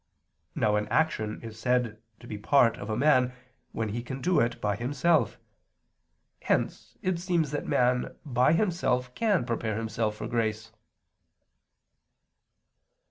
Now an action is said to be part of a man, when he can do it by himself. Hence it seems that man by himself can prepare himself for grace.